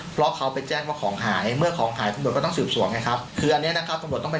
เพราะว่าอย่างประชาชนไม่มีสิทธิ์ไปถามยังได้